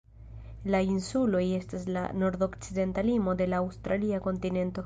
La insuloj estas la nordokcidenta limo de la aŭstralia kontinento.